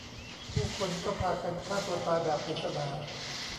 ผู้คนก็พากันฆ่าตัวตายแบบปริศนา